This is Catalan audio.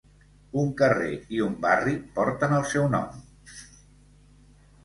Un carrer i un barri porten el seu nom.